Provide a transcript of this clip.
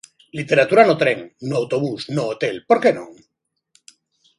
Literatura no tren, no autobús, no hotel, por que non?